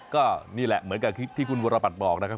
ก็นี่แหละเหมือนกับที่คุณวรบัตรบอกนะครับ